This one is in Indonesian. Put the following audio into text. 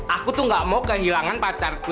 aku tuh gak mau kehilangan pacarku